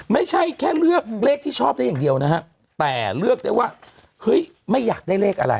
ไม่ใช่แค่เลือกเลขที่ชอบได้อย่างเดียวนะฮะแต่เลือกได้ว่าเฮ้ยไม่อยากได้เลขอะไร